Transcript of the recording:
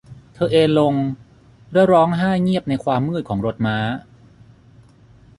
เธอเอนลงและร้องไห้เงียบในความมืดของรถม้า